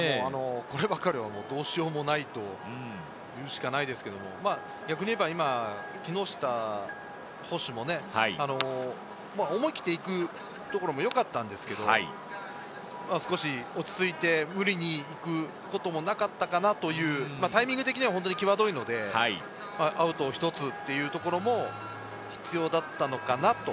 こればかりはどうしようもないというしかないですけど、逆に言えば、木下捕手も思い切っていくところもよかったんですけど、少し落ち着いて無理に行くこともなかったかなという、タイミング的には際どいので、アウト１つというところも必要だったのかなと。